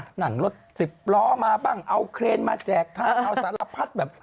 หนังรถสิบล้อมาบ้างเอาเครนมาแจกทางเอาสารพัดแบบ